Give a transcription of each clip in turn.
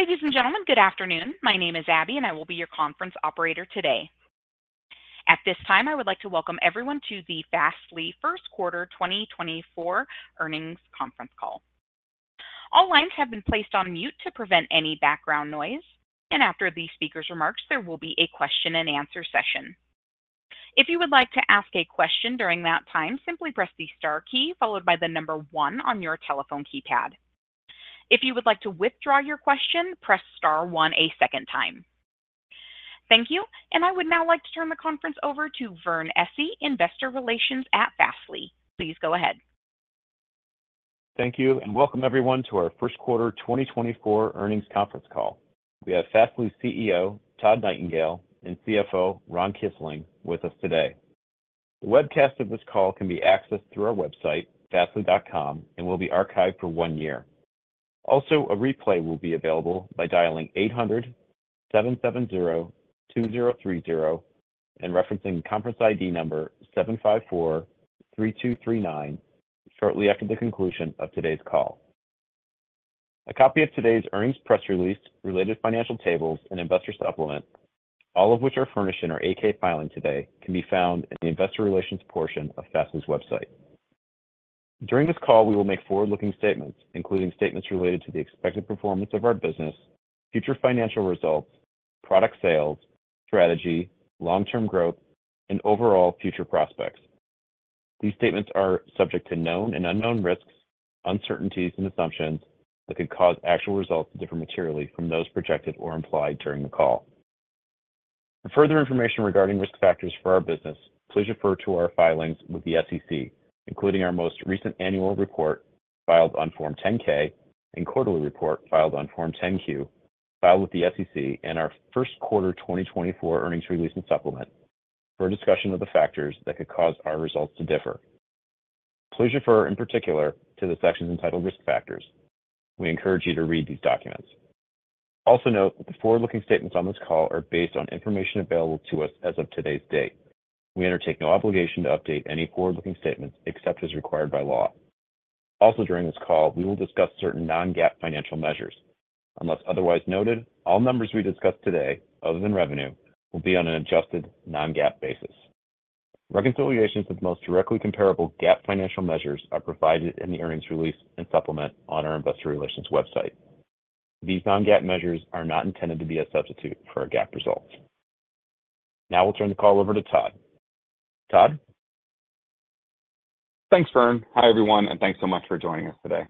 Ladies and gentlemen, good afternoon. My name is Abby, and I will be your conference operator today. At this time, I would like to welcome everyone to the Fastly First Quarter 2024 Earnings Conference Call. All lines have been placed on mute to prevent any background noise, and after the speaker's remarks, there will be a question-and-answer session. If you would like to ask a question during that time, simply press the star key followed by the number one on your telephone keypad. If you would like to withdraw your question, press star one a second time. Thank you, and I would now like to turn the conference over to Vern Essi, Investor Relations at Fastly. Please go ahead. Thank you and welcome everyone to our First Quarter 2024 Earnings Conference Call. We have Fastly CEO Todd Nightingale and CFO Ron Kisling with us today. The webcast of this call can be accessed through our website, fastly.com, and will be archived for one year. Also, a replay will be available by dialing 800-770-2030 and referencing conference ID number 7543239 shortly after the conclusion of today's call. A copy of today's earnings press release, related financial tables, and investor supplement, all of which are furnished in our 8-K filing today, can be found in the investor relations portion of Fastly's website. During this call, we will make forward-looking statements, including statements related to the expected performance of our business, future financial results, product sales, strategy, long-term growth, and overall future prospects. These statements are subject to known and unknown risks, uncertainties, and assumptions that could cause actual results to differ materially from those projected or implied during the call. For further information regarding risk factors for our business, please refer to our filings with the SEC, including our most recent annual report filed on Form 10-K and quarterly report filed on Form 10-Q filed with the SEC and our First Quarter 2024 Earnings Release and Supplement for a discussion of the factors that could cause our results to differ. Please refer, in particular, to the sections entitled Risk Factors. We encourage you to read these documents. Also note that the forward-looking statements on this call are based on information available to us as of today's date. We undertake no obligation to update any forward-looking statements except as required by law. Also, during this call, we will discuss certain non-GAAP financial measures. Unless otherwise noted, all numbers we discuss today, other than revenue, will be on an adjusted Non-GAAP basis. Reconciliations of the most directly comparable GAAP financial measures are provided in the earnings release and supplement on our investor relations website. These Non-GAAP measures are not intended to be a substitute for our GAAP results. Now we'll turn the call over to Todd. Todd? Thanks, Vern. Hi everyone, and thanks so much for joining us today.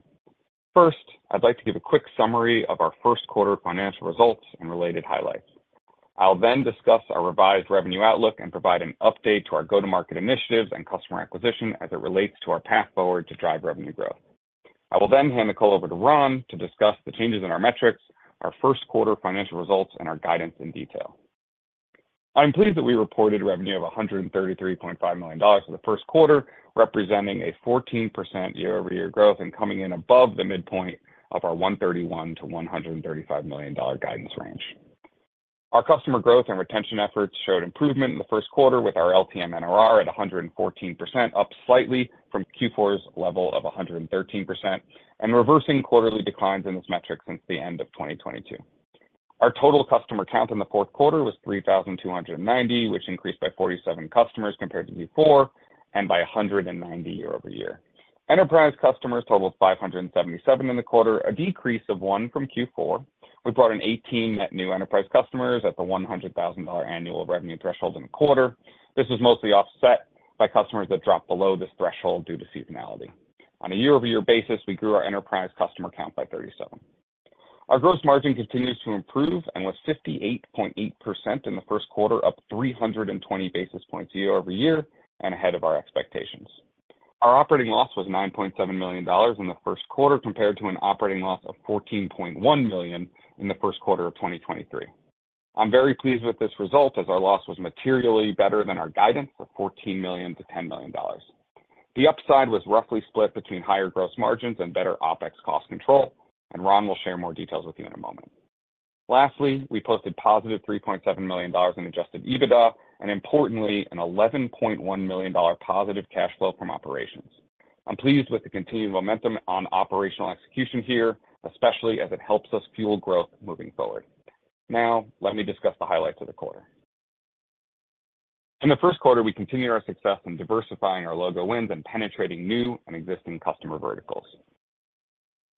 First, I'd like to give a quick summary of our First Quarter financial results and related highlights. I'll then discuss our revised revenue outlook and provide an update to our go-to-market initiatives and customer acquisition as it relates to our path forward to drive revenue growth. I will then hand the call over to Ron to discuss the changes in our metrics, our First Quarter financial results, and our guidance in detail. I'm pleased that we reported revenue of $133.5 million for the first quarter, representing a 14% year-over-year growth and coming in above the midpoint of our $131 million-$135 million guidance range. Our customer growth and retention efforts showed improvement in the first quarter with our LTM NRR at 114%, up slightly from Q4's level of 113%, and reversing quarterly declines in this metric since the end of 2022. Our total customer count in the first quarter was 3,290, which increased by 47 customers compared to Q4 and by 190 year-over-year. Enterprise customers totaled 577 in the quarter, a decrease of one from Q4. We brought in 18 net new enterprise customers at the $100,000 annual revenue threshold in the quarter. This was mostly offset by customers that dropped below this threshold due to seasonality. On a year-over-year basis, we grew our enterprise customer count by 37. Our gross margin continues to improve and was 58.8% in the first quarter, up 320 basis points year-over-year and ahead of our expectations. Our operating loss was $9.7 million in the first quarter compared to an operating loss of $14.1 million in the first quarter of 2023. I'm very pleased with this result as our loss was materially better than our guidance of $14 million-$10 million. The upside was roughly split between higher gross margins and better OpEx cost control, and Ron will share more details with you in a moment. Lastly, we posted positive $3.7 million in adjusted EBITDA and, importantly, an $11.1 million positive cash flow from operations. I'm pleased with the continued momentum on operational execution here, especially as it helps us fuel growth moving forward. Now let me discuss the highlights of the quarter. In the first quarter, we continue our success in diversifying our logo wins and penetrating new and existing customer verticals.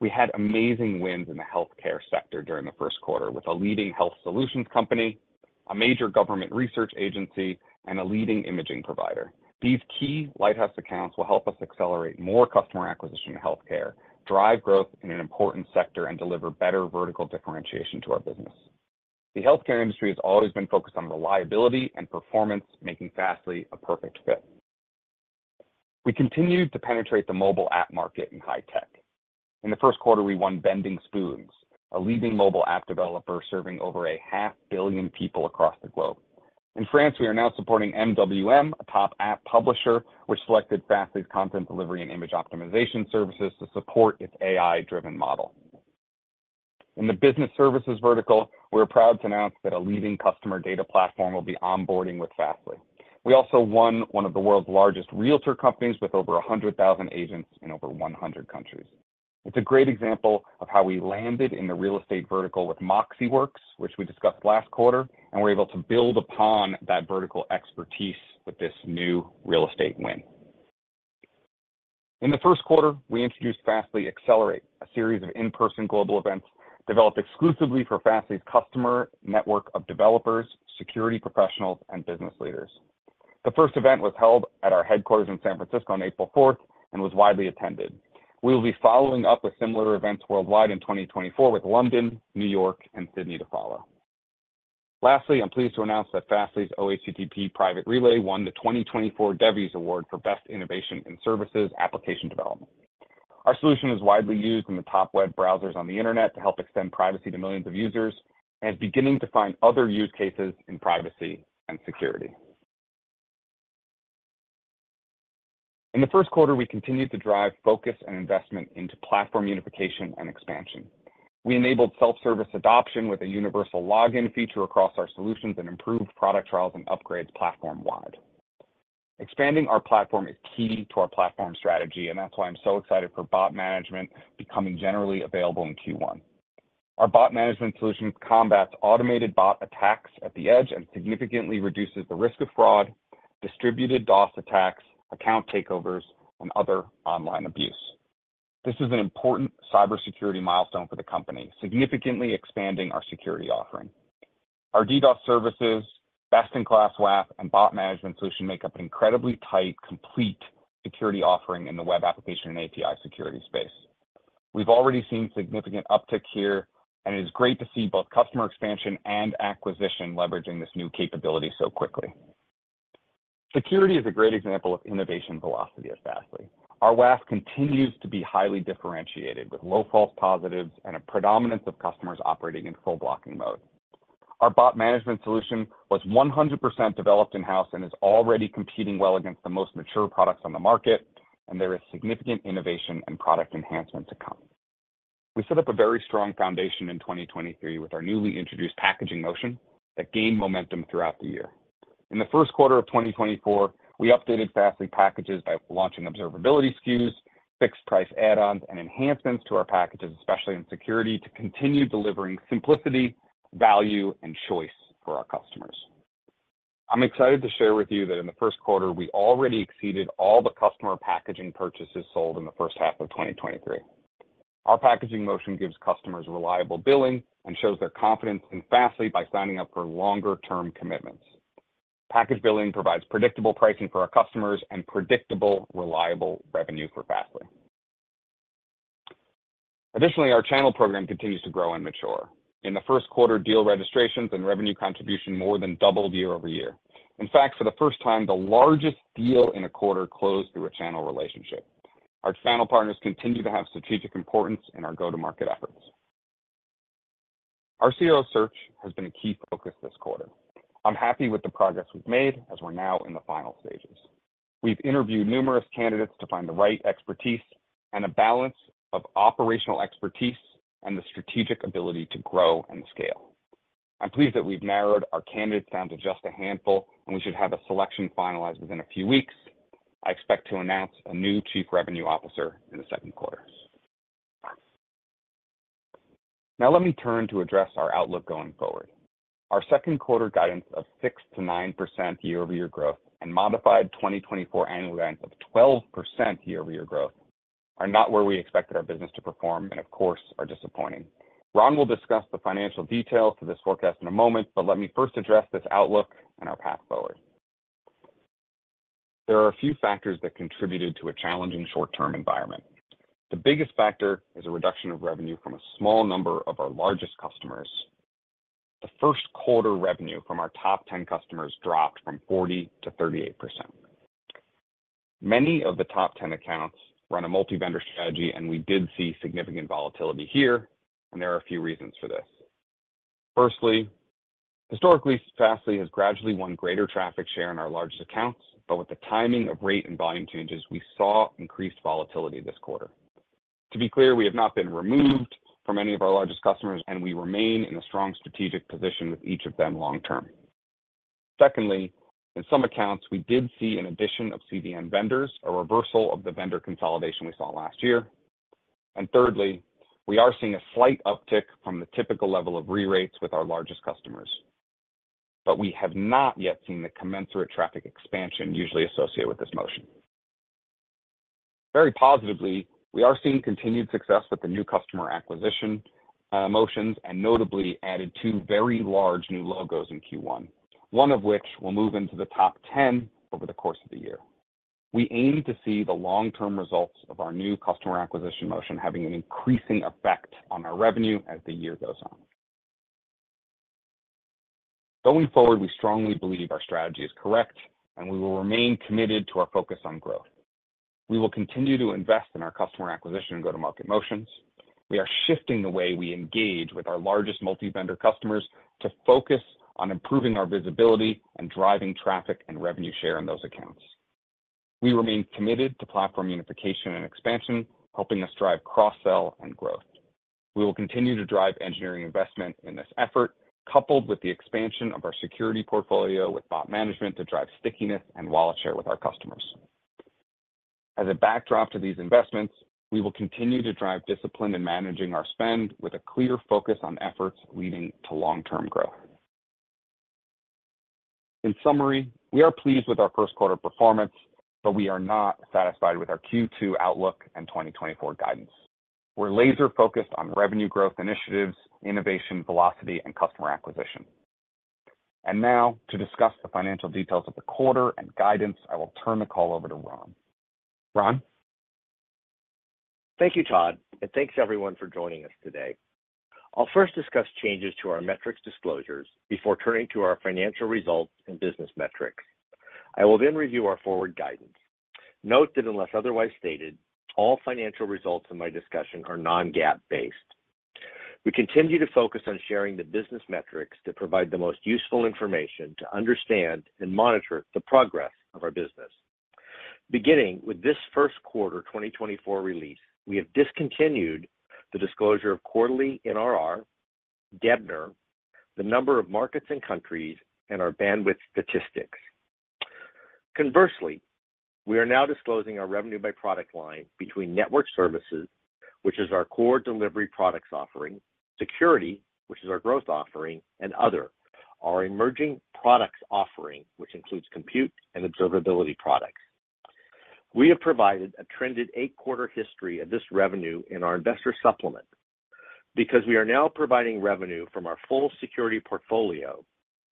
We had amazing wins in the healthcare sector during the first quarter with a leading health solutions company, a major government research agency, and a leading imaging provider. These key lighthouse accounts will help us accelerate more customer acquisition in healthcare, drive growth in an important sector, and deliver better vertical differentiation to our business. The healthcare industry has always been focused on reliability and performance, making Fastly a perfect fit. We continued to penetrate the mobile app market in high tech. In the first quarter, we won Bending Spoons, a leading mobile app developer serving over 500 million people across the globe. In France, we are now supporting MWM, a top app publisher, which selected Fastly's content delivery and image optimization services to support its AI-driven model. In the business services vertical, we're proud to announce that a leading customer data platform will be onboarding with Fastly. We also won one of the world's largest realtor companies with over 100,000 agents in over 100 countries. It's a great example of how we landed in the real estate vertical with MoxiWorks, which we discussed last quarter, and were able to build upon that vertical expertise with this new real estate win. In the first quarter, we introduced Fastly Accelerate, a series of in-person global events developed exclusively for Fastly's customer network of developers, security professionals, and business leaders. The first event was held at our headquarters in San Francisco on April 4th and was widely attended. We will be following up with similar events worldwide in 2024 with London, New York, and Sydney to follow. Lastly, I'm pleased to announce that Fastly's OHTTP Private Relay won the 2024 DEVIES Award for Best Innovation in Services Application Development. Our solution is widely used in the top web browsers on the internet to help extend privacy to millions of users and is beginning to find other use cases in privacy and security. In the first quarter, we continued to drive focus and investment into platform unification and expansion. We enabled self-service adoption with a universal login feature across our solutions and improved product trials and upgrades platform-wide. Expanding our platform is key to our platform strategy, and that's why I'm so excited for Bot Management becoming generally available in Q1. Our Bot Management solution combats automated bot attacks at the edge and significantly reduces the risk of fraud, distributed DDoS attacks, account takeovers, and other online abuse. This is an important cybersecurity milestone for the company, significantly expanding our security offering. Our DDoS services, best-in-class WAF, and bot management solution make up an incredibly tight, complete security offering in the web application and API security space. We've already seen significant uptick here, and it is great to see both customer expansion and acquisition leveraging this new capability so quickly. Security is a great example of innovation velocity at Fastly. Our WAF continues to be highly differentiated with low false positives and a predominance of customers operating in full blocking mode. Our bot management solution was 100% developed in-house and is already competing well against the most mature products on the market, and there is significant innovation and product enhancement to come. We set up a very strong foundation in 2023 with our newly introduced packaging motion that gained momentum throughout the year. In the first quarter of 2024, we updated Fastly packages by launching observability SKUs, fixed-price add-ons, and enhancements to our packages, especially in security, to continue delivering simplicity, value, and choice for our customers. I'm excited to share with you that in the first quarter, we already exceeded all the customer packaging purchases sold in the first half of 2023. Our packaging motion gives customers reliable billing and shows their confidence in Fastly by signing up for longer-term commitments. Package billing provides predictable pricing for our customers and predictable, reliable revenue for Fastly. Additionally, our channel program continues to grow and mature. In the first quarter, deal registrations and revenue contribution more than doubled year-over-year. In fact, for the first time, the largest deal in a quarter closed through a channel relationship. Our channel partners continue to have strategic importance in our go-to-market efforts. Our COO search has been a key focus this quarter. I'm happy with the progress we've made as we're now in the final stages. We've interviewed numerous candidates to find the right expertise and a balance of operational expertise and the strategic ability to grow and scale. I'm pleased that we've narrowed our candidates down to just a handful, and we should have a selection finalized within a few weeks. I expect to announce a new chief revenue officer in the second quarter. Now let me turn to address our outlook going forward. Our second quarter guidance of 6%-9% year-over-year growth and modified 2024 annual guidance of 12% year-over-year growth are not where we expected our business to perform and, of course, are disappointing. Ron will discuss the financial details to this forecast in a moment, but let me first address this outlook and our path forward. There are a few factors that contributed to a challenging short-term environment. The biggest factor is a reduction of revenue from a small number of our largest customers. The first quarter revenue from our top 10 customers dropped from 40%-38%. Many of the top 10 accounts run a multi-vendor strategy, and we did see significant volatility here, and there are a few reasons for this. Firstly, historically, Fastly has gradually won greater traffic share in our largest accounts, but with the timing of rate and volume changes, we saw increased volatility this quarter. To be clear, we have not been removed from any of our largest customers, and we remain in a strong strategic position with each of them long-term. Secondly, in some accounts, we did see an addition of CDN vendors, a reversal of the vendor consolidation we saw last year. And thirdly, we are seeing a slight uptick from the typical level of re-rates with our largest customers, but we have not yet seen the commensurate traffic expansion usually associated with this motion. Very positively, we are seeing continued success with the new customer acquisition motions and notably added two very large new logos in Q1, one of which will move into the top 10 over the course of the year. We aim to see the long-term results of our new customer acquisition motion having an increasing effect on our revenue as the year goes on. Going forward, we strongly believe our strategy is correct, and we will remain committed to our focus on growth. We will continue to invest in our customer acquisition and go-to-market motions. We are shifting the way we engage with our largest multi-vendor customers to focus on improving our visibility and driving traffic and revenue share in those accounts. We remain committed to platform unification and expansion, helping us drive cross-sell and growth. We will continue to drive engineering investment in this effort, coupled with the expansion of our security portfolio with bot management to drive stickiness and wallet share with our customers. As a backdrop to these investments, we will continue to drive discipline in managing our spend with a clear focus on efforts leading to long-term growth. In summary, we are pleased with our first quarter performance, but we are not satisfied with our Q2 outlook and 2024 guidance. We're laser-focused on revenue growth initiatives, innovation velocity, and customer acquisition. And now, to discuss the financial details of the quarter and guidance, I will turn the call over to Ron. Ron? Thank you, Todd, and thanks everyone for joining us today. I'll first discuss changes to our metrics disclosures before turning to our financial results and business metrics. I will then review our forward guidance. Note that unless otherwise stated, all financial results in my discussion are Non-GAAP-based. We continue to focus on sharing the business metrics that provide the most useful information to understand and monitor the progress of our business. Beginning with this first quarter 2024 release, we have discontinued the disclosure of quarterly NRR, DEBNR, the number of markets and countries, and our bandwidth statistics. Conversely, we are now disclosing our revenue-by-product line between network services, which is our core delivery products offering, security, which is our growth offering, and other, our emerging products offering, which includes compute and observability products. We have provided a trended 8-quarter history of this revenue in our investor supplement. Because we are now providing revenue from our full security portfolio,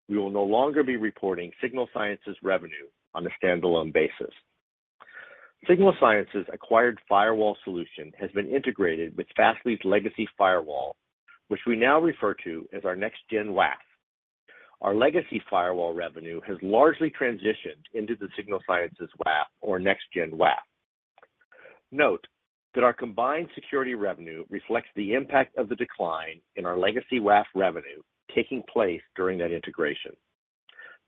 we will no longer be reporting Signal Sciences revenue on a standalone basis. Signal Sciences' acquired firewall solution has been integrated with Fastly's legacy firewall, which we now refer to as our Next-Gen WAF. Our legacy firewall revenue has largely transitioned into the Signal Sciences WAF or Next-Gen WAF. Note that our combined security revenue reflects the impact of the decline in our legacy WAF revenue taking place during that integration.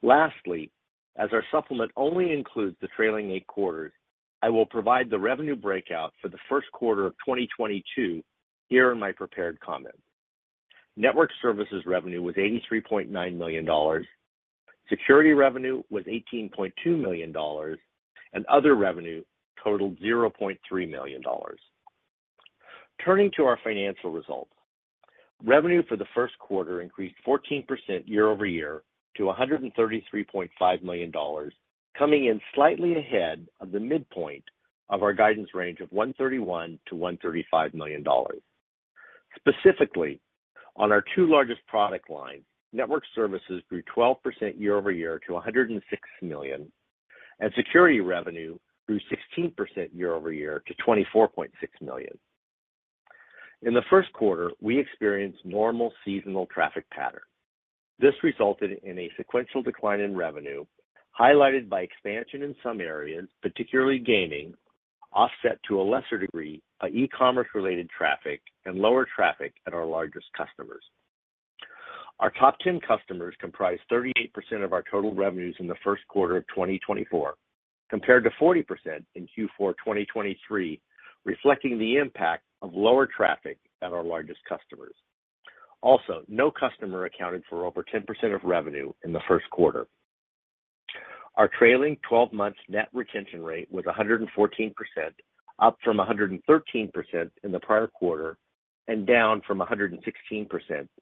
Lastly, as our supplement only includes the trailing eight quarters, I will provide the revenue breakout for the first quarter of 2022 here in my prepared comments. Network Services revenue was $83.9 million, security revenue was $18.2 million, and other revenue totaled $0.3 million. Turning to our financial results, revenue for the first quarter increased 14% year-over-year to $133.5 million, coming in slightly ahead of the midpoint of our guidance range of $131-$135 million. Specifically, on our two largest product lines, network services grew 12% year-over-year to $106 million, and security revenue grew 16% year-over-year to $24.6 million. In the first quarter, we experienced normal seasonal traffic pattern. This resulted in a sequential decline in revenue highlighted by expansion in some areas, particularly gaming, offset to a lesser degree by e-commerce-related traffic and lower traffic at our largest customers. Our top 10 customers comprise 38% of our total revenues in the first quarter of 2024, compared to 40% in Q4 2023, reflecting the impact of lower traffic at our largest customers. Also, no customer accounted for over 10% of revenue in the first quarter. Our trailing 12-month net retention rate was 114%, up from 113% in the prior quarter and down from 116%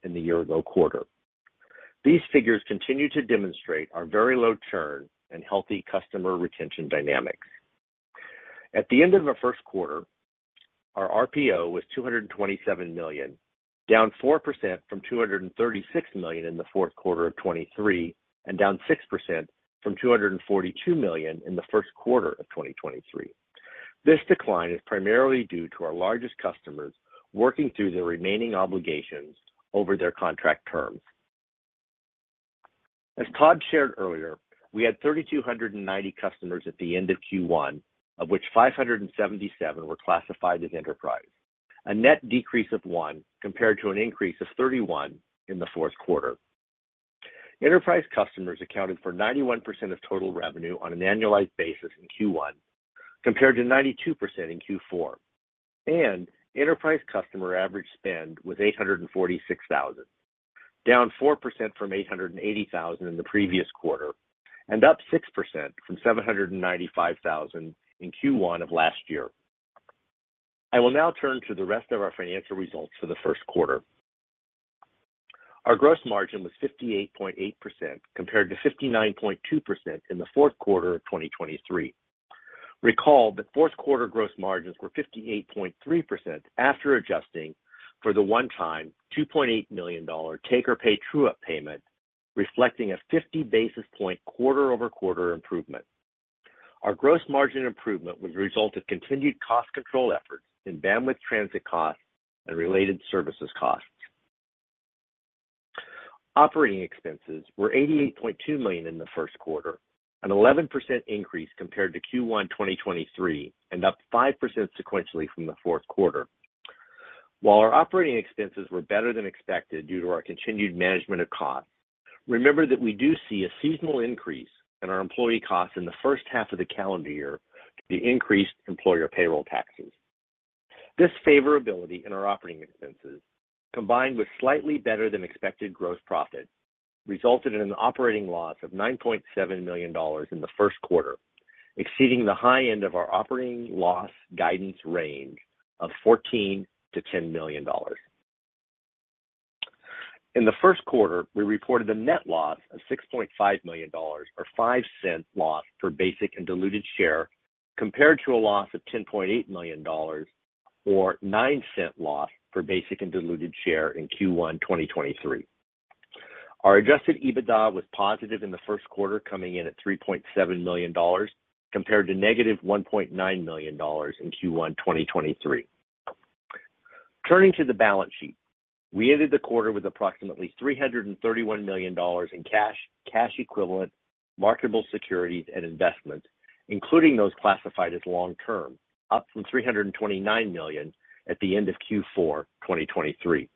in the year-ago quarter. These figures continue to demonstrate our very low churn and healthy customer retention dynamics. At the end of our first quarter, our RPO was $227 million, down 4% from $236 million in the fourth quarter of 2023 and down 6% from $242 million in the first quarter of 2023. This decline is primarily due to our largest customers working through their remaining obligations over their contract terms. As Todd shared earlier, we had 3,290 customers at the end of Q1, of which 577 were classified as enterprise, a net decrease of 1 compared to an increase of 31 in the fourth quarter. Enterprise customers accounted for 91% of total revenue on an annualized basis in Q1 compared to 92% in Q4, and enterprise customer average spend was $846,000, down 4% from $880,000 in the previous quarter and up 6% from $795,000 in Q1 of last year. I will now turn to the rest of our financial results for the first quarter. Our gross margin was 58.8% compared to 59.2% in the fourth quarter of 2023. Recall that fourth-quarter gross margins were 58.3% after adjusting for the one-time $2.8 million take-or-pay true-up payment, reflecting a 50 basis point quarter-over-quarter improvement. Our gross margin improvement was a result of continued cost control efforts in bandwidth transit costs and related services costs. Operating expenses were $88.2 million in the first quarter, an 11% increase compared to Q1 2023 and up 5% sequentially from the fourth quarter. While our operating expenses were better than expected due to our continued management of costs, remember that we do see a seasonal increase in our employee costs in the first half of the calendar year due to increased employer payroll taxes. This favorability in our operating expenses, combined with slightly better-than-expected gross profit, resulted in an operating loss of $9.7 million in the first quarter, exceeding the high end of our operating loss guidance range of $14 million-$10 million. In the first quarter, we reported a net loss of $6.5 million or $0.05 loss per basic and diluted share compared to a loss of $10.8 million or $0.09 loss per basic and diluted share in Q1 2023. Our Adjusted EBITDA was positive in the first quarter, coming in at $3.7 million compared to negative $1.9 million in Q1 2023. Turning to the balance sheet, we ended the quarter with approximately $331 million in cash, cash equivalents, marketable securities, and investments, including those classified as long-term, up from $329 million at the end of Q4 2023.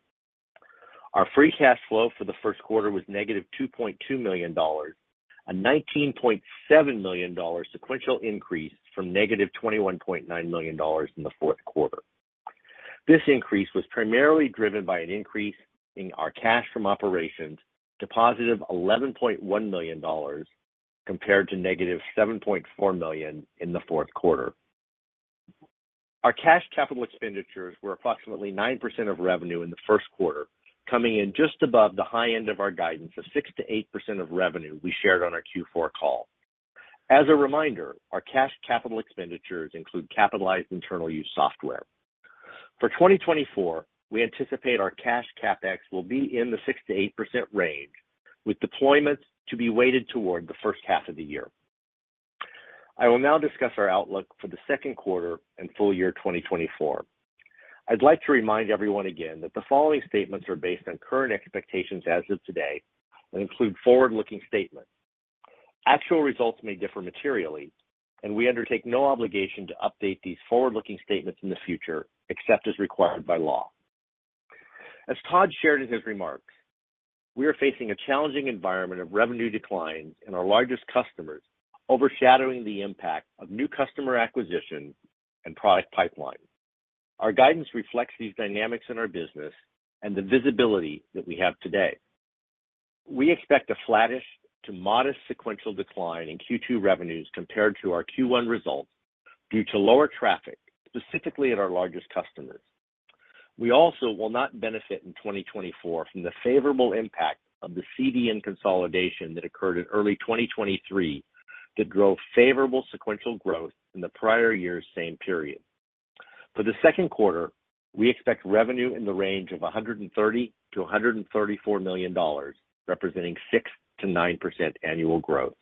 Our free cash flow for the first quarter was negative $2.2 million, a $19.7 million sequential increase from negative $21.9 million in the fourth quarter. This increase was primarily driven by an increase in our cash from operations, positive $11.1 million compared to negative $7.4 million in the fourth quarter. Our cash capital expenditures were approximately 9% of revenue in the first quarter, coming in just above the high end of our guidance of 6%-8% of revenue we shared on our Q4 call. As a reminder, our cash capital expenditures include capitalized internal use software. For 2024, we anticipate our cash CapEx will be in the 6%-8% range, with deployments to be weighted toward the first half of the year. I will now discuss our outlook for the second quarter and full year 2024. I'd like to remind everyone again that the following statements are based on current expectations as of today and include forward-looking statements. Actual results may differ materially, and we undertake no obligation to update these forward-looking statements in the future except as required by law. As Todd shared in his remarks, we are facing a challenging environment of revenue declines and our largest customers overshadowing the impact of new customer acquisition and product pipelines. Our guidance reflects these dynamics in our business and the visibility that we have today. We expect a flattish to modest sequential decline in Q2 revenues compared to our Q1 results due to lower traffic, specifically at our largest customers. We also will not benefit in 2024 from the favorable impact of the CDN consolidation that occurred in early 2023 that drove favorable sequential growth in the prior year's same period. For the second quarter, we expect revenue in the range of $130 million-$134 million, representing 6%-9% annual growth.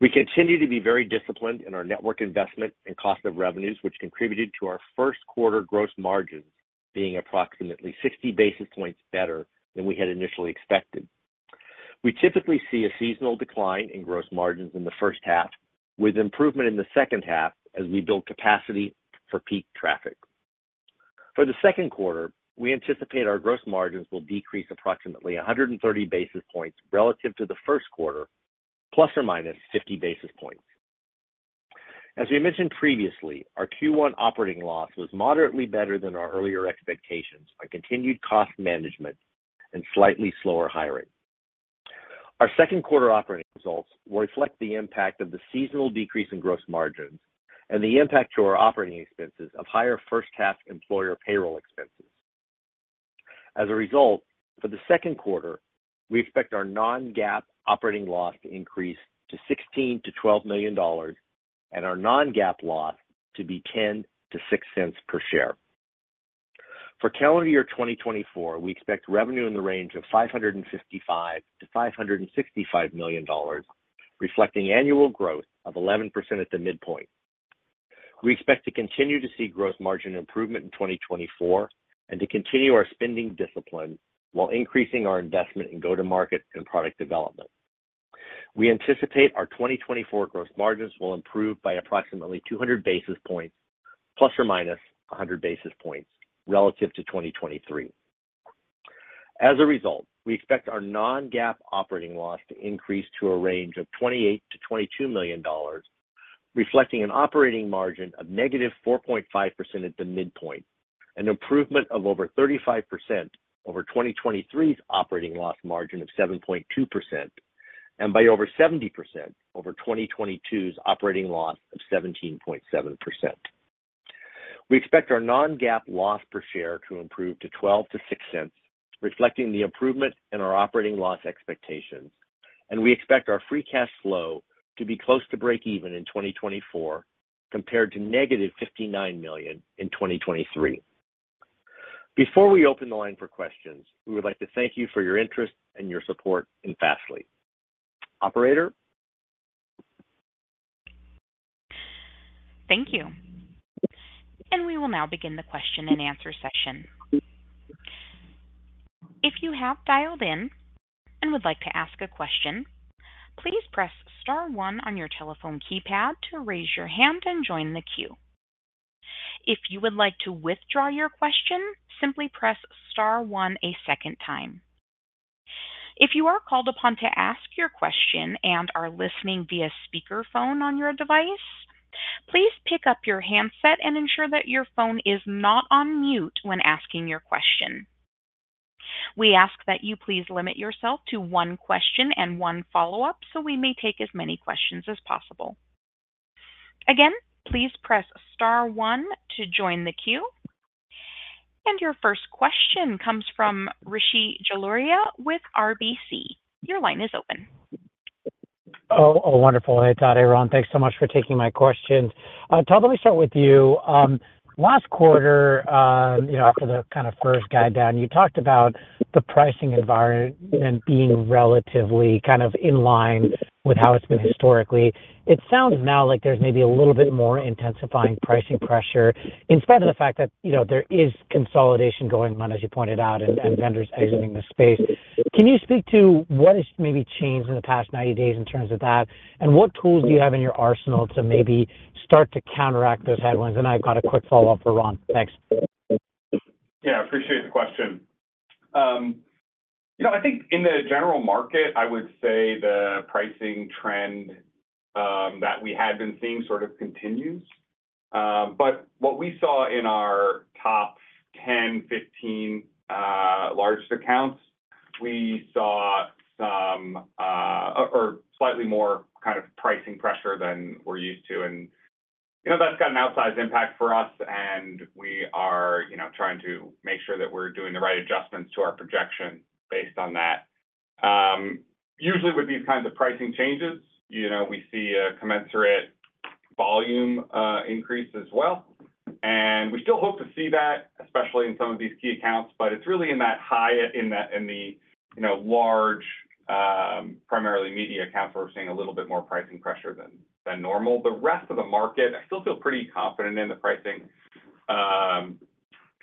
We continue to be very disciplined in our network investment and cost of revenues, which contributed to our first quarter gross margins being approximately 60 basis points better than we had initially expected. We typically see a seasonal decline in gross margins in the first half, with improvement in the second half as we build capacity for peak traffic. For the second quarter, we anticipate our gross margins will decrease approximately 130 basis points relative to the first quarter ±50 basis points. As we mentioned previously, our Q1 operating loss was moderately better than our earlier expectations on continued cost management and slightly slower hiring. Our second quarter operating results will reflect the impact of the seasonal decrease in gross margins and the impact to our operating expenses of higher first-half employer payroll expenses. As a result, for the second quarter, we expect our non-GAAP operating loss to increase to $16 million-$12 million and our non-GAAP loss to be $0.10-$0.06 per share. For calendar year 2024, we expect revenue in the range of $555 million-$565 million, reflecting annual growth of 11% at the midpoint. We expect to continue to see gross margin improvement in 2024 and to continue our spending discipline while increasing our investment in go-to-market and product development. We anticipate our 2024 gross margins will improve by approximately 200 basis points, plus or minus 100 basis points, relative to 2023. As a result, we expect our non-GAAP operating loss to increase to a range of $28 million-$22 million, reflecting an operating margin of negative 4.5% at the midpoint, an improvement of over 35% over 2023's operating loss margin of 7.2%, and by over 70% over 2022's operating loss of 17.7%. We expect our non-GAAP loss per share to improve to $0.12-$0.06, reflecting the improvement in our operating loss expectations, and we expect our free cash flow to be close to break-even in 2024 compared to negative $59 million in 2023. Before we open the line for questions, we would like to thank you for your interest and your support in Fastly. Operator? Thank you. We will now begin the question-and-answer session. If you have dialed in and would like to ask a question, please press star one on your telephone keypad to raise your hand and join the queue. If you would like to withdraw your question, simply press star one a second time. If you are called upon to ask your question and are listening via speakerphone on your device, please pick up your handset and ensure that your phone is not on mute when asking your question. We ask that you please limit yourself to one question and one follow-up so we may take as many questions as possible. Again, please press star 1 to join the queue. Your first question comes from Rishi Jaluria with RBC. Your line is open. Oh, wonderful. Hey, Todd, hey, Ron. Thanks so much for taking my questions. Todd, let me start with you. Last quarter, after the kind of first guide down, you talked about the pricing environment being relatively kind of in line with how it's been historically. It sounds now like there's maybe a little bit more intensifying pricing pressure in spite of the fact that there is consolidation going on, as you pointed out, and vendors exiting the space. Can you speak to what has maybe changed in the past 90 days in terms of that, and what tools do you have in your arsenal to maybe start to counteract those headwinds? And I've got a quick follow-up for Ron. Thanks. Yeah, I appreciate the question. I think in the general market, I would say the pricing trend that we had been seeing sort of continues. But what we saw in our top 10, 15 largest accounts, we saw some, or slightly more, kind of pricing pressure than we're used to. And that's got an outsized impact for us, and we are trying to make sure that we're doing the right adjustments to our projection based on that. Usually, with these kinds of pricing changes, we see a commensurate volume increase as well. And we still hope to see that, especially in some of these key accounts. But it's really in that high in the large, primarily media accounts where we're seeing a little bit more pricing pressure than normal. The rest of the market, I still feel pretty confident in the pricing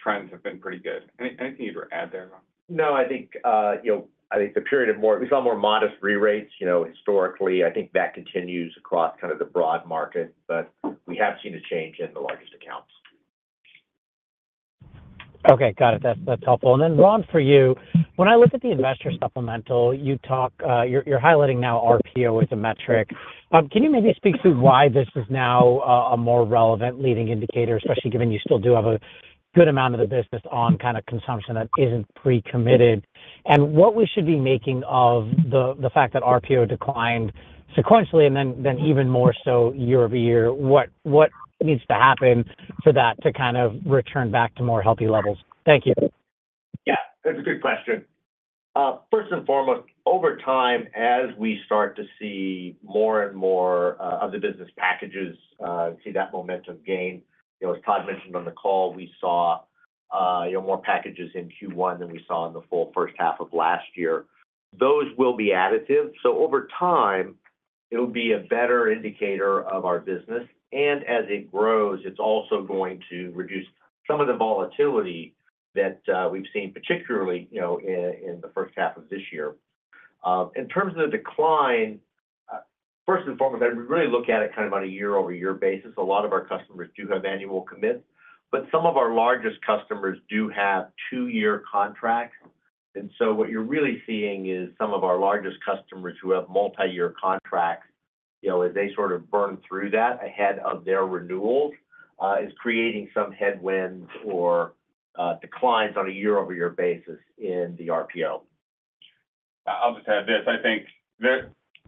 trends have been pretty good. Anything you'd add there, Ron? No, I think the period of more we saw more modest rerates historically. I think that continues across kind of the broad market. But we have seen a change in the largest accounts. Okay, got it. That's helpful. And then, Ron, for you, when I look at the investor supplemental, you're highlighting now RPO as a metric. Can you maybe speak to why this is now a more relevant leading indicator, especially given you still do have a good amount of the business on kind of consumption that isn't pre-committed? And what we should be making of the fact that RPO declined sequentially and then even more so year over year, what needs to happen for that to kind of return back to more healthy levels? Thank you. Yeah, that's a good question. First and foremost, over time, as we start to see more and more of the business packages see that momentum gain, as Todd mentioned on the call, we saw more packages in Q1 than we saw in the full first half of last year. Those will be additive. So over time, it'll be a better indicator of our business. And as it grows, it's also going to reduce some of the volatility that we've seen, particularly in the first half of this year. In terms of the decline, first and foremost, I'd really look at it kind of on a year-over-year basis. A lot of our customers do have annual commits. But some of our largest customers do have two-year contracts. And so what you're really seeing is some of our largest customers who have multi-year contracts, as they sort of burn through that ahead of their renewals, is creating some headwinds or declines on a year-over-year basis in the RPO. I'll just add this. I think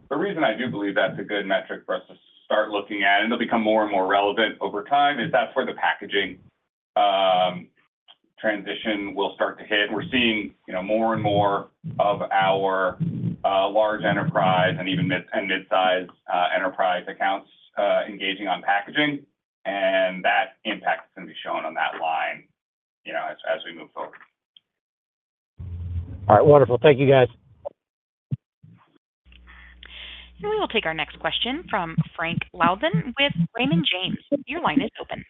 the reason I do believe that's a good metric for us to start looking at, and it'll become more and more relevant over time, is that's where the packaging transition will start to hit. We're seeing more and more of our large enterprise and even midsize enterprise accounts engaging on packaging. And that impact is going to be shown on that line as we move forward. All right, wonderful. Thank you, guys. We will take our next question from Frank Louthan with Raymond James. Your line is open.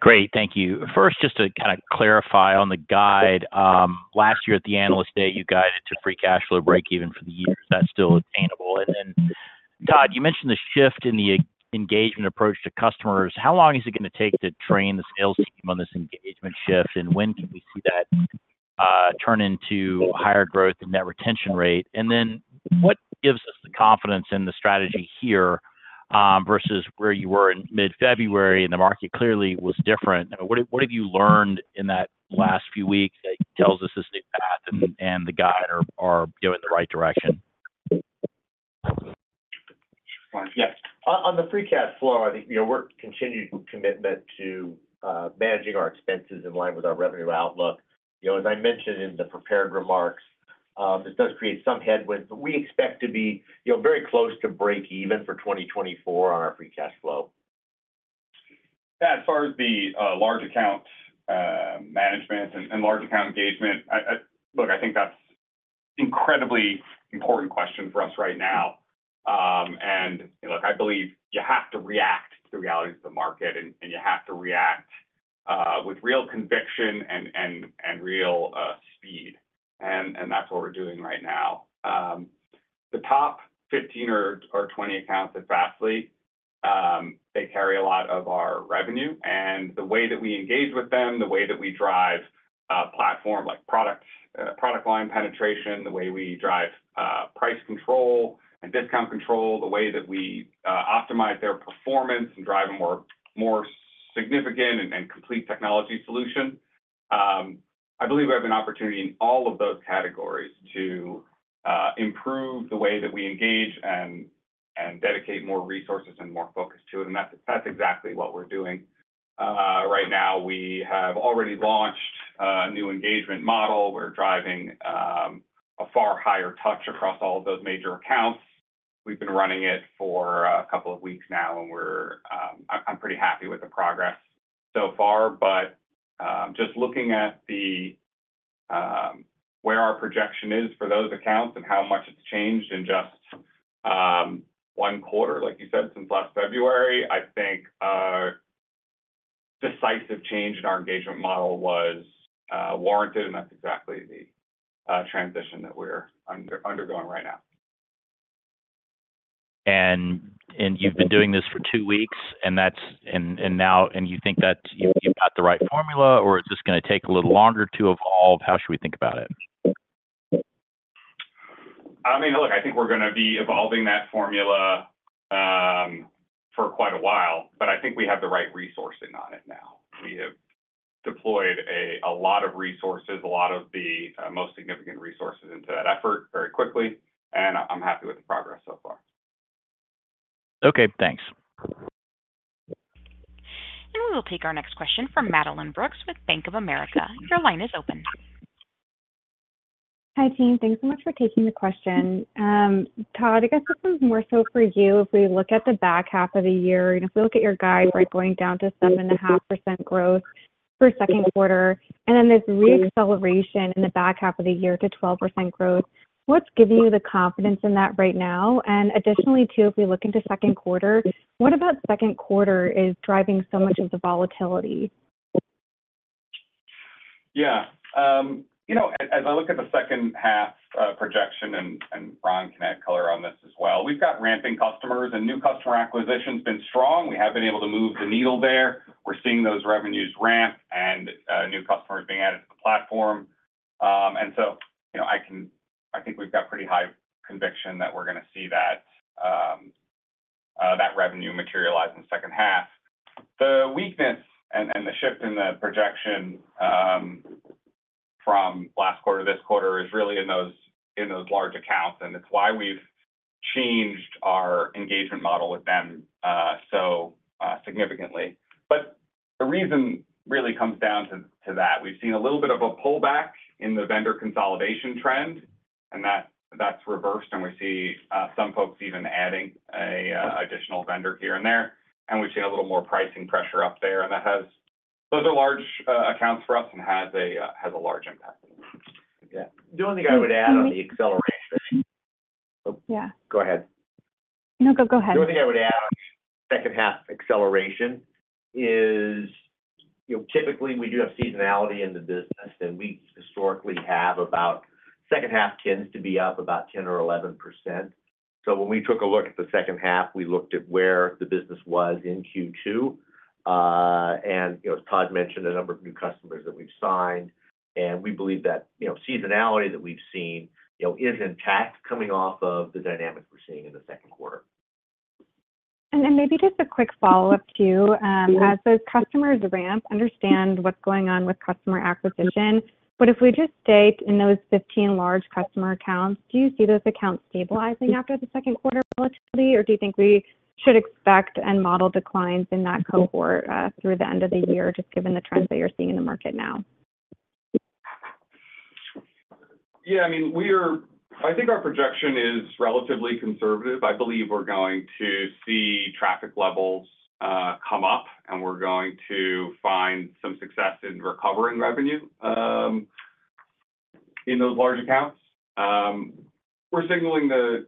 Great, thank you. First, just to kind of clarify on the guide, last year at the Analyst Day, you guided to free cash flow break-even for the year. Is that still attainable? And then, Todd, you mentioned the shift in the engagement approach to customers. How long is it going to take to train the sales team on this engagement shift, and when can we see that turn into higher growth and net retention rate? And then what gives us the confidence in the strategy here versus where you were in mid-February, and the market clearly was different? What have you learned in that last few weeks that tells us this new path and the guide are in the right direction? Yeah. On the free cash flow, I think our continued commitment to managing our expenses in line with our revenue outlook. As I mentioned in the prepared remarks, this does create some headwinds, but we expect to be very close to break-even for 2024 on our free cash flow. Yeah, as far as the large account management and large account engagement, look, I think that's an incredibly important question for us right now. And look, I believe you have to react to the realities of the market, and you have to react with real conviction and real speed. And that's what we're doing right now. The top 15 or 20 accounts at Fastly, they carry a lot of our revenue. And the way that we engage with them, the way that we drive platform like product line penetration, the way we drive price control and discount control, the way that we optimize their performance and drive a more significant and complete technology solution, I believe we have an opportunity in all of those categories to improve the way that we engage and dedicate more resources and more focus to it. And that's exactly what we're doing right now. We have already launched a new engagement model. We're driving a far higher touch across all of those major accounts. We've been running it for a couple of weeks now, and I'm pretty happy with the progress so far. But just looking at where our projection is for those accounts and how much it's changed in just one quarter, like you said, since last February, I think decisive change in our engagement model was warranted. And that's exactly the transition that we're undergoing right now. You've been doing this for two weeks, and now you think that you've got the right formula, or it's just going to take a little longer to evolve? How should we think about it? I mean, look, I think we're going to be evolving that formula for quite a while, but I think we have the right resourcing on it now. We have deployed a lot of resources, a lot of the most significant resources into that effort very quickly. And I'm happy with the progress so far. Okay, thanks. We will take our next question from Madeline Brooks with Bank of America. Your line is open. Hi, team. Thanks so much for taking the question. Todd, I guess this one's more so for you. If we look at the back half of the year, if we look at your guide, right, going down to 7.5% growth for second quarter, and then this re-acceleration in the back half of the year to 12% growth, what's giving you the confidence in that right now? And additionally, too, if we look into second quarter, what about second quarter is driving so much of the volatility? Yeah. As I look at the second half projection, and Ron can add color on this as well, we've got ramping customers, and new customer acquisition's been strong. We have been able to move the needle there. We're seeing those revenues ramp and new customers being added to the platform. And so I think we've got pretty high conviction that we're going to see that revenue materialize in the second half. The weakness and the shift in the projection from last quarter to this quarter is really in those large accounts. And it's why we've changed our engagement model with them so significantly. But the reason really comes down to that. We've seen a little bit of a pullback in the vendor consolidation trend, and that's reversed. And we see some folks even adding an additional vendor here and there. And we've seen a little more pricing pressure up there. Those are large accounts for us and has a large impact. The only thing I would add on the acceleration. Oops. Go ahead. No, go ahead. The only thing I would add on the second half acceleration is, typically, we do have seasonality in the business. We historically have about second half tends to be up about 10% or 11%. So when we took a look at the second half, we looked at where the business was in Q2. As Todd mentioned, a number of new customers that we've signed. We believe that seasonality that we've seen is intact coming off of the dynamics we're seeing in the second quarter. Then maybe just a quick follow-up too. As those customers ramp, understand what's going on with customer acquisition. But if we just stay in those 15 large customer accounts, do you see those accounts stabilizing after the second quarter volatility? Or do you think we should expect and model declines in that cohort through the end of the year, just given the trends that you're seeing in the market now? Yeah, I mean, I think our projection is relatively conservative. I believe we're going to see traffic levels come up, and we're going to find some success in recovering revenue in those large accounts. We're signaling the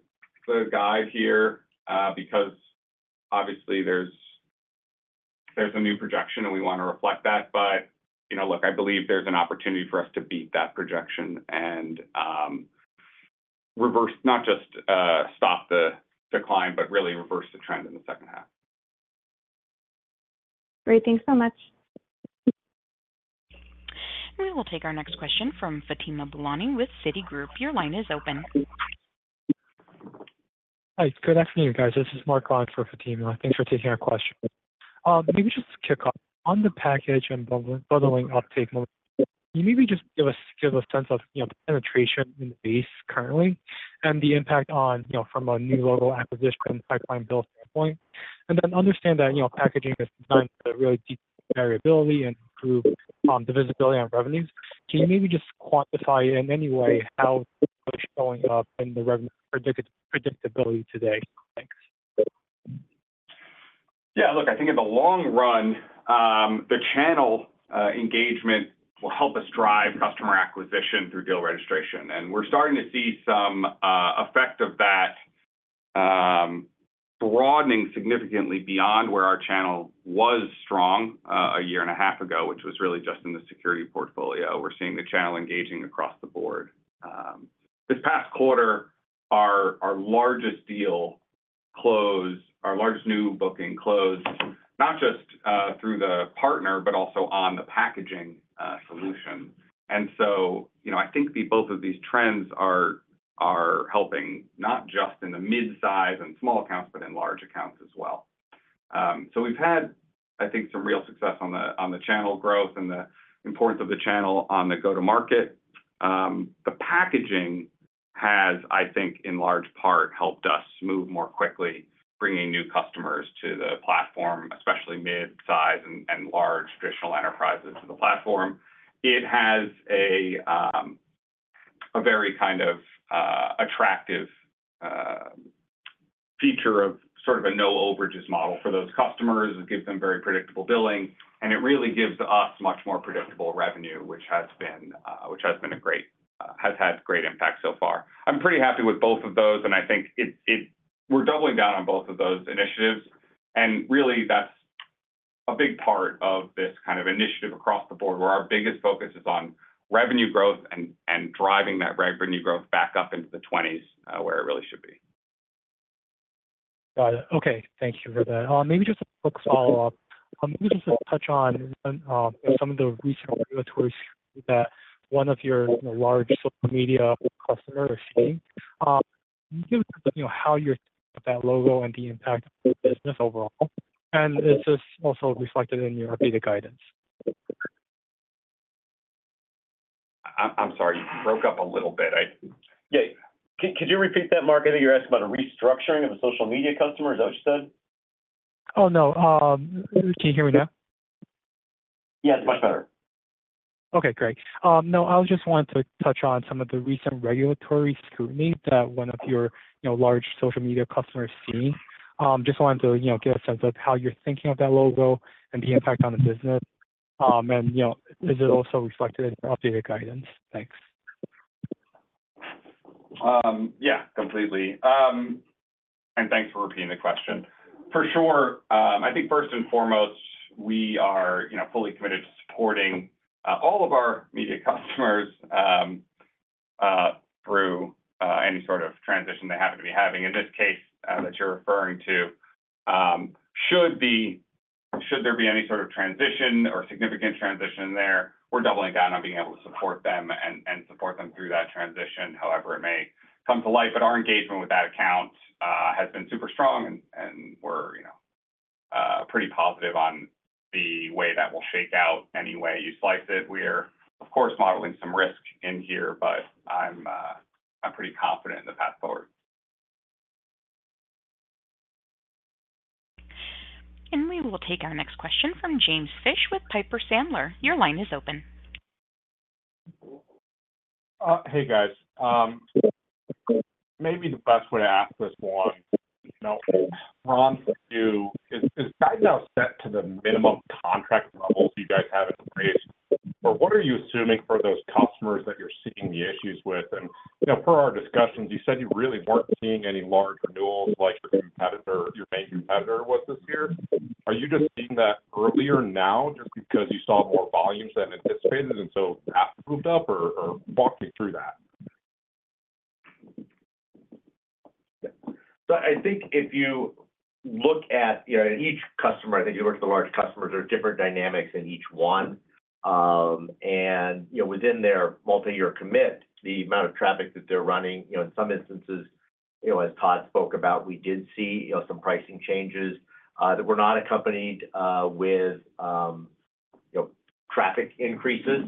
guide here because, obviously, there's a new projection, and we want to reflect that. But look, I believe there's an opportunity for us to beat that projection and reverse not just stop the decline, but really reverse the trend in the second half. Great. Thanks so much. We will take our next question from Fatima Boolani with Citigroup. Your line is open. Hi, good afternoon, guys. This is Mark Klein for Fatima. Thanks for taking our question. Maybe just to kick off, on the package and bundling uptake, can you maybe just give a sense of the penetration in the base currently and the impact from a new local acquisition pipeline bill standpoint? And then understand that packaging is designed to really detect variability and improve the visibility on revenues. Can you maybe just quantify in any way how it's showing up in the revenue predictability today? Thanks. Yeah, look, I think in the long run, the channel engagement will help us drive customer acquisition through deal registration. And we're starting to see some effect of that broadening significantly beyond where our channel was strong a year and a half ago, which was really just in the security portfolio. We're seeing the channel engaging across the board. This past quarter, our largest deal closed, our largest new booking closed, not just through the partner, but also on the packaging solution. And so I think both of these trends are helping not just in the midsize and small accounts, but in large accounts as well. So we've had, I think, some real success on the channel growth and the importance of the channel on the go-to-market. The packaging has, I think, in large part helped us move more quickly, bringing new customers to the platform, especially midsize and large traditional enterprises to the platform. It has a very kind of attractive feature of sort of a no-overages model for those customers. It gives them very predictable billing. It really gives us much more predictable revenue, which has been a great has had great impact so far. I'm pretty happy with both of those. I think we're doubling down on both of those initiatives. Really, that's a big part of this kind of initiative across the board, where our biggest focus is on revenue growth and driving that revenue growth back up into the 20s where it really should be. Got it. Okay, thank you for that. Maybe just a quick follow-up. Maybe just to touch on some of the recent regulatory scrutiny that one of your large social media customers are seeing. Can you give us how you're thinking about that logo and the impact on the business overall? And is this also reflected in your updated guidance? I'm sorry. You broke up a little bit. Yeah. Could you repeat that, Mark? I think you were asking about a restructuring of the social media customer. Is that what you said? Oh, no. Can you hear me now? Yeah, it's much better. Okay, great. No, I just wanted to touch on some of the recent regulatory scrutiny that one of your large social media customers is seeing. Just wanted to get a sense of how you're thinking of that logo and the impact on the business. Is it also reflected in your updated guidance? Thanks. Yeah, completely. And thanks for repeating the question. For sure, I think first and foremost, we are fully committed to supporting all of our media customers through any sort of transition they happen to be having. In this case that you're referring to, should there be any sort of transition or significant transition there, we're doubling down on being able to support them and support them through that transition, however it may come to light. But our engagement with that account has been super strong, and we're pretty positive on the way that we'll shake out any way you slice it. We are, of course, modeling some risk in here, but I'm pretty confident in the path forward. We will take our next question from James Fish with Piper Sandler. Your line is open. Hey, guys. Maybe the best way to ask this one, Ron, for you, is guidance now set to the minimum contract levels you guys have in place? Or what are you assuming for those customers that you're seeing the issues with? And per our discussions, you said you really weren't seeing any large renewals like your main competitor was this year. Are you just seeing that earlier now just because you saw more volumes than anticipated and so that moved up, or walk me through that? So I think if you look at each customer, I think if you look at the large customers, there are different dynamics in each one. And within their multi-year commit, the amount of traffic that they're running, in some instances, as Todd spoke about, we did see some pricing changes that were not accompanied with traffic increases.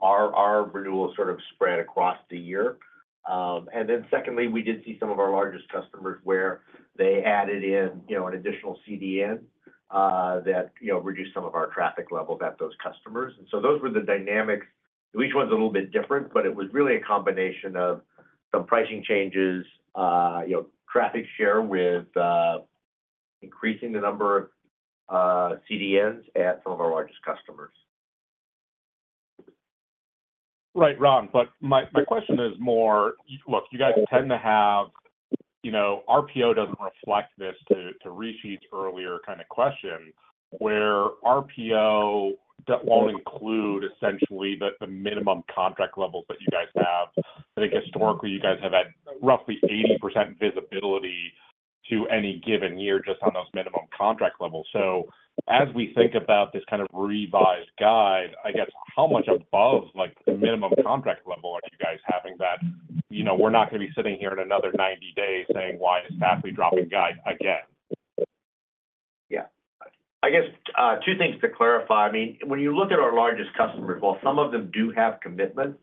Our renewals sort of spread across the year. And then secondly, we did see some of our largest customers where they added in an additional CDN that reduced some of our traffic levels at those customers. And so those were the dynamics. Each one's a little bit different, but it was really a combination of some pricing changes, traffic share with increasing the number of CDNs at some of our largest customers. Right, Ron. But my question is more, look, you guys tend to have RPO doesn't reflect this to Rishi's earlier kind of question, where RPO won't include essentially the minimum contract levels that you guys have. I think historically, you guys have had roughly 80% visibility to any given year just on those minimum contract levels. So as we think about this kind of revised guide, I guess, how much above the minimum contract level are you guys having that we're not going to be sitting here in another 90 days saying, "Why is Fastly dropping guide again? Yeah. I guess two things to clarify. I mean, when you look at our largest customers, while some of them do have commitments,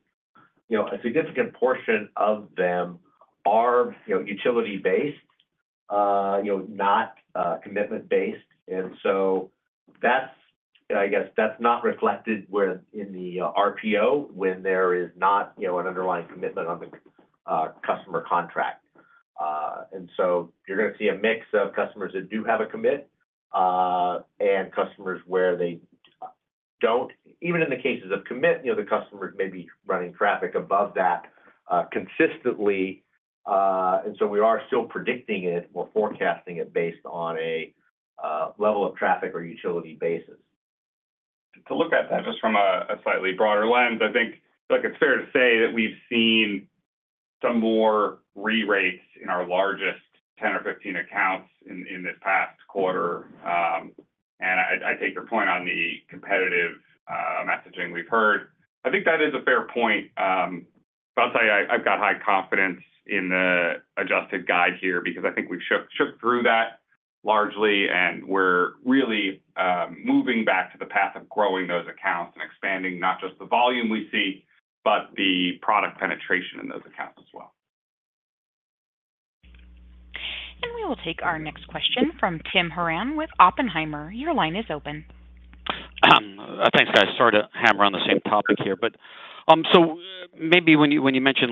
a significant portion of them are utility-based, not commitment-based. I guess that's not reflected in the RPO when there is not an underlying commitment on the customer contract. You're going to see a mix of customers that do have a commit and customers where they don't. Even in the cases of commit, the customers may be running traffic above that consistently. We are still predicting it, we're forecasting it based on a level of traffic or utility basis. To look at that just from a slightly broader lens, I think it's fair to say that we've seen some more re-rates in our largest 10 or 15 accounts in this past quarter. I take your point on the competitive messaging we've heard. I think that is a fair point. I'll tell you, I've got high confidence in the adjusted guide here because I think we've shook through that largely, and we're really moving back to the path of growing those accounts and expanding not just the volume we see, but the product penetration in those accounts as well. We will take our next question from Tim Horan with Oppenheimer. Your line is open. Thanks, guys. Sorry to hammer on the same topic here. So maybe when you mentioned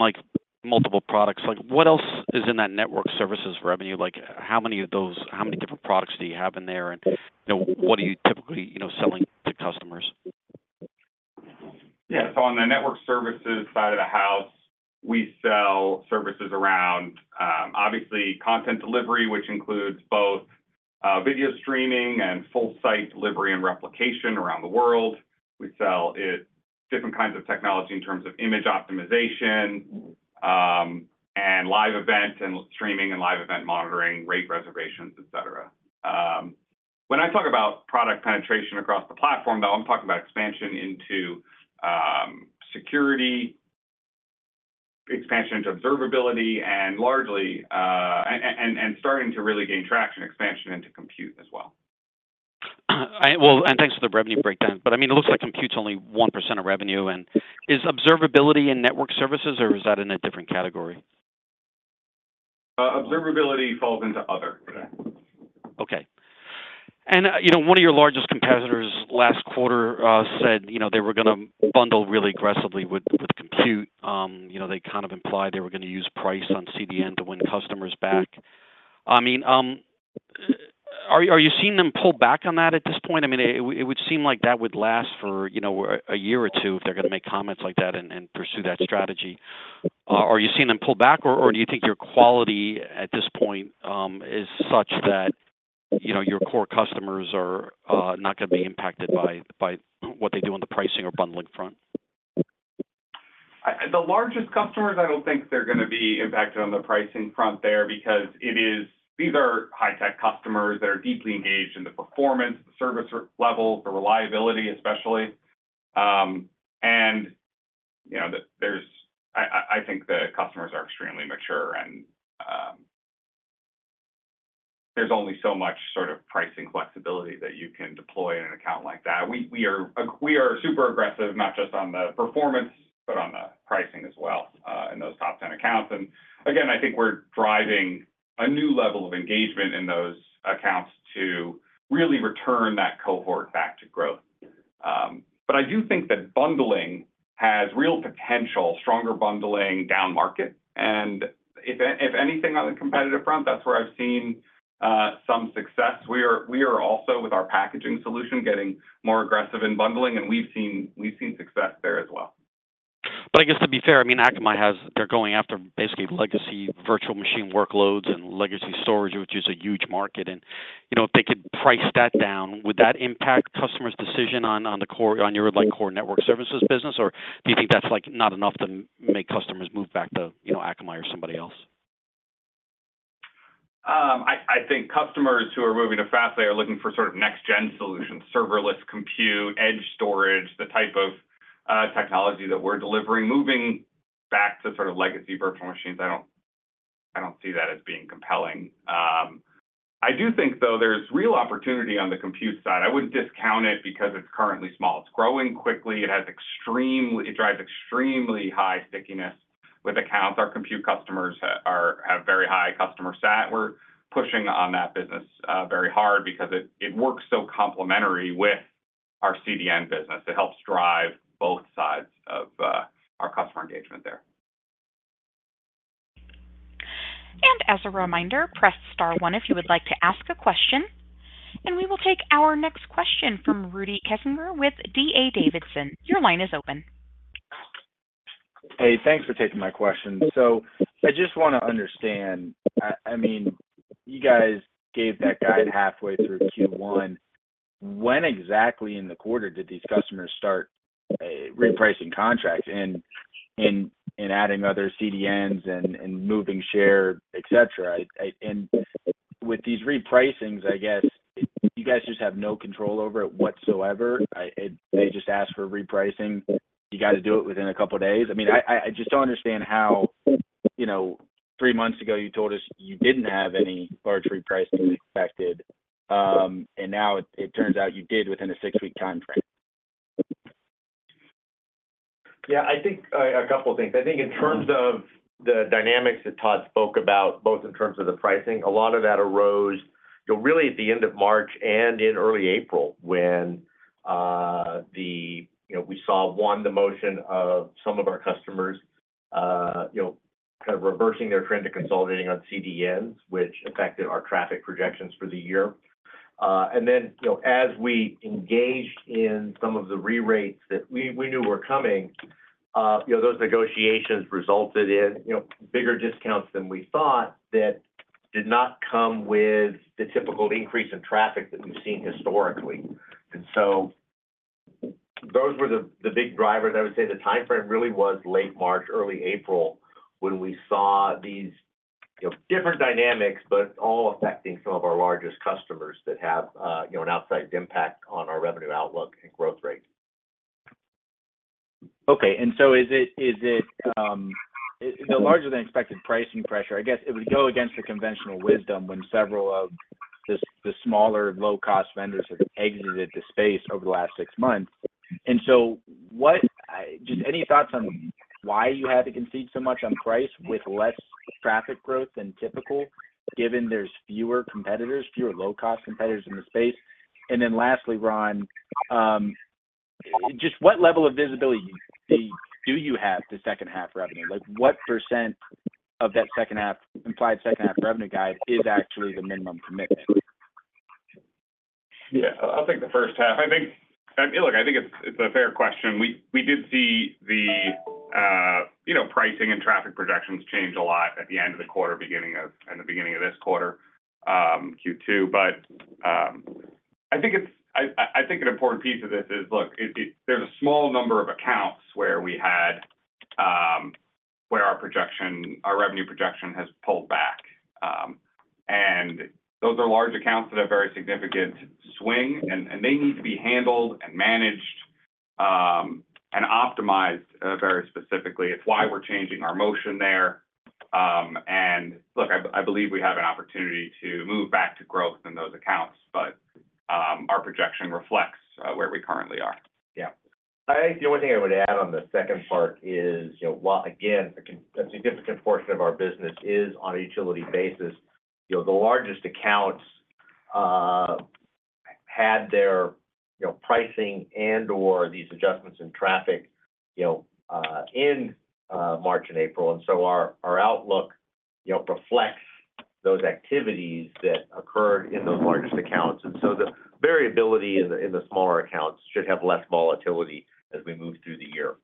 multiple products, what else is in that network services revenue? How many of those different products do you have in there, and what are you typically selling to customers? Yeah. So on the network services side of the house, we sell services around, obviously, content delivery, which includes both video streaming and full-site delivery and replication around the world. We sell different kinds of technology in terms of image optimization and live event and streaming and live event monitoring, rate reservations, etc. When I talk about product penetration across the platform, though, I'm talking about expansion into security, expansion into observability, and largely starting to really gain traction, expansion into compute as well. Well, and thanks for the revenue breakdown. But I mean, it looks like compute's only 1% of revenue. And is observability in network services, or is that in a different category? Observability falls into other. Okay. One of your largest competitors last quarter said they were going to bundle really aggressively with compute. They kind of implied they were going to use price on CDN to win customers back. I mean, are you seeing them pull back on that at this point? I mean, it would seem like that would last for a year or two if they're going to make comments like that and pursue that strategy. Are you seeing them pull back, or do you think your quality at this point is such that your core customers are not going to be impacted by what they do on the pricing or bundling front? The largest customers, I don't think they're going to be impacted on the pricing front there because these are high-tech customers that are deeply engaged in the performance, the service level, the reliability, especially. I think the customers are extremely mature, and there's only so much sort of pricing flexibility that you can deploy in an account like that. We are super aggressive, not just on the performance, but on the pricing as well in those top 10 accounts. Again, I think we're driving a new level of engagement in those accounts to really return that cohort back to growth. But I do think that bundling has real potential, stronger bundling down market. If anything on the competitive front, that's where I've seen some success. We are also, with our packaging solution, getting more aggressive in bundling, and we've seen success there as well. But I guess, to be fair, I mean, Akamai has, they're going after basically legacy virtual machine workloads and legacy storage, which is a huge market. And if they could price that down, would that impact customers' decision on your core network services business, or do you think that's not enough to make customers move back to Akamai or somebody else? I think customers who are moving to Fastly are looking for sort of next-gen solutions, serverless compute, edge storage, the type of technology that we're delivering. Moving back to sort of legacy virtual machines, I don't see that as being compelling. I do think, though, there's real opportunity on the compute side. I wouldn't discount it because it's currently small. It's growing quickly. It drives extremely high stickiness with accounts. Our compute customers have very high customer sat. We're pushing on that business very hard because it works so complementary with our CDN business. It helps drive both sides of our customer engagement there. As a reminder, press star one if you would like to ask a question. We will take our next question from Rudy Kessinger with D.A. Davidson. Your line is open. Hey, thanks for taking my question. So I just want to understand. I mean, you guys gave that guide halfway through Q1. When exactly in the quarter did these customers start repricing contracts and adding other CDNs and moving share, etc.? And with these repricings, I guess, you guys just have no control over it whatsoever. They just ask for repricing. You got to do it within a couple of days. I mean, I just don't understand how three months ago, you told us you didn't have any large repricing expected, and now it turns out you did within a six-week timeframe. Yeah, I think a couple of things. I think in terms of the dynamics that Todd spoke about, both in terms of the pricing, a lot of that arose really at the end of March and in early April when we saw, one, the motion of some of our customers kind of reversing their trend to consolidating on CDNs, which affected our traffic projections for the year. And then as we engaged in some of the re-rates that we knew were coming, those negotiations resulted in bigger discounts than we thought that did not come with the typical increase in traffic that we've seen historically. And so those were the big drivers. I would say the timeframe really was late March, early April when we saw these different dynamics, but all affecting some of our largest customers that have an outsized impact on our revenue outlook and growth rate. Okay. And so is it the larger-than-expected pricing pressure? I guess it would go against the conventional wisdom when several of the smaller low-cost vendors have exited the space over the last six months. And so just any thoughts on why you had to concede so much on price with less traffic growth than typical, given there's fewer competitors, fewer low-cost competitors in the space? And then lastly, Ron, just what level of visibility do you have the second-half revenue? What % of that implied second-half revenue guide is actually the minimum commitment? Yeah. I'll take the first half. I mean, look, I think it's a fair question. We did see the pricing and traffic projections change a lot at the end of the quarter, beginning of and the beginning of this quarter, Q2. But I think an important piece of this is, look, there's a small number of accounts where our revenue projection has pulled back. And those are large accounts that have very significant swing, and they need to be handled and managed and optimized very specifically. It's why we're changing our motion there. And look, I believe we have an opportunity to move back to growth in those accounts, but our projection reflects where we currently are. Yeah. I think the only thing I would add on the second part is, again, a significant portion of our business is on a utility basis. The largest accounts had their pricing and/or these adjustments in traffic in March and April. And so our outlook reflects those activities that occurred in those largest accounts. And so the variability in the smaller accounts should have less volatility as we move through the year.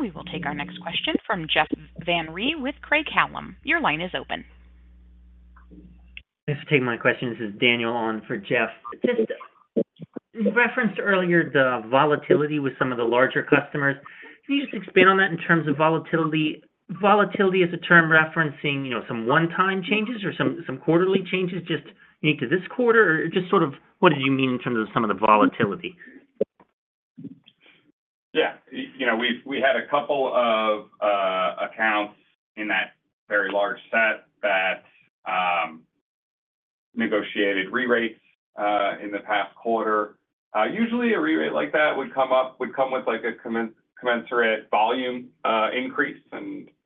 We will take our next question from Jeff Van Rhee with Craig-Hallum. Your line is open. Just to take my question, this is Daniel on for Jeff. Just referenced earlier the volatility with some of the larger customers. Can you just expand on that in terms of volatility? Volatility as a term referencing some one-time changes or some quarterly changes just unique to this quarter, or just sort of what did you mean in terms of some of the volatility? Yeah. We had a couple of accounts in that very large set that negotiated re-rates in the past quarter. Usually, a re-rate like that would come up with a commensurate volume increase.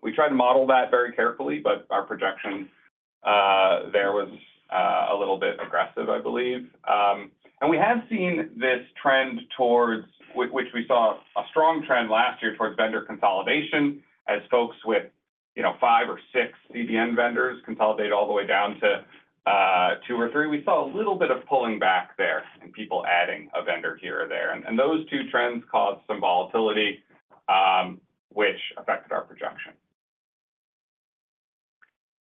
We tried to model that very carefully, but our projection there was a little bit aggressive, I believe. We have seen this trend towards, which we saw a strong trend last year towards vendor consolidation as folks with five or six CDN vendors consolidate all the way down to two or three. We saw a little bit of pulling back there and people adding a vendor here or there. Those two trends caused some volatility, which affected our projection.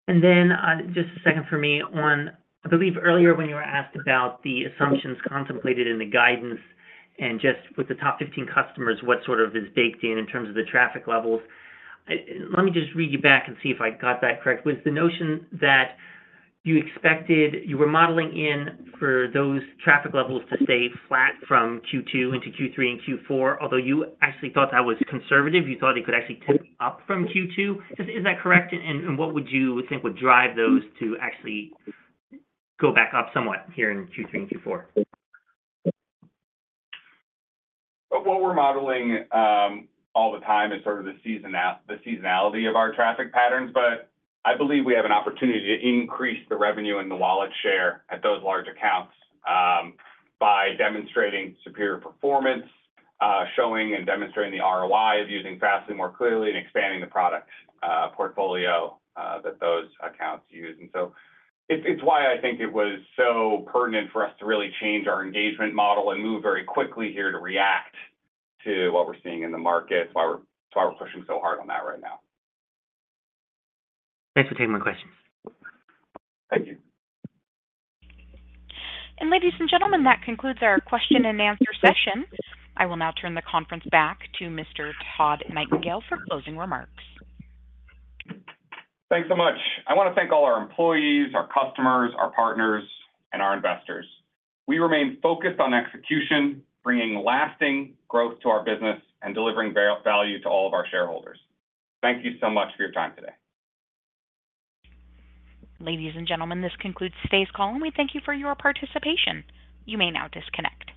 Then just a second for me on, I believe earlier when you were asked about the assumptions contemplated in the guidance and just with the top 15 customers, what sort of is baked in in terms of the traffic levels? Let me just read you back and see if I got that correct. Was the notion that you were modeling in for those traffic levels to stay flat from Q2 into Q3 and Q4, although you actually thought that was conservative? You thought it could actually tip up from Q2. Is that correct? And what would you think would drive those to actually go back up somewhat here in Q3 and Q4? What we're modeling all the time is sort of the seasonality of our traffic patterns. But I believe we have an opportunity to increase the revenue and the wallet share at those large accounts by demonstrating superior performance, showing and demonstrating the ROI of using Fastly more clearly and expanding the product portfolio that those accounts use. And so it's why I think it was so pertinent for us to really change our engagement model and move very quickly here to react to what we're seeing in the market, it's why we're pushing so hard on that right now. Thanks for taking my questions. Thank you. Ladies and gentlemen, that concludes our question-and-answer session. I will now turn the conference back to Mr. Todd Nightingale for closing remarks. Thanks so much. I want to thank all our employees, our customers, our partners, and our investors. We remain focused on execution, bringing lasting growth to our business, and delivering value to all of our shareholders. Thank you so much for your time today. Ladies and gentlemen, this concludes today's call, and we thank you for your participation. You may now disconnect.